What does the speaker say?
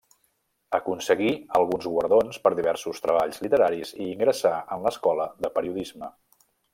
Aconseguí alguns guardons per diversos treballs literaris i ingressà en l'Escola de Periodisme.